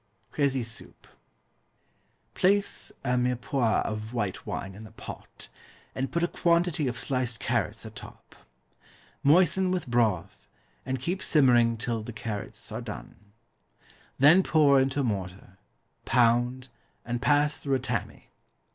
Crécy Soup. Place a mirepoix of white wine in the pot, and put a quantity of sliced carrots atop. Moisten with broth, and keep simmering till the carrots are done. Then pour into a mortar, pound, and pass through a tammy.